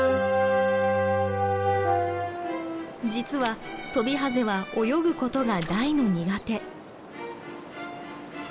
実はトビハゼは泳ぐことが大の苦手。